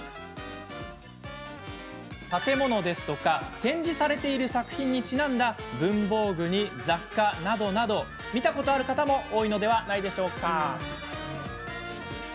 建物や展示されている作品にちなんだ文房具に雑貨などなど見たことある方も多いのではないでしょうか。